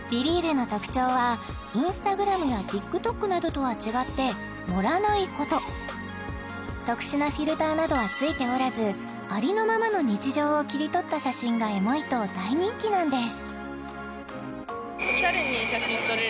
の特徴はＩｎｓｔａｇｒａｍやＴｉｋＴｏｋなどとは違って盛らないこと特殊なフィルターなどはついておらずありのままの日常を切り取った写真がエモいと大人気なんです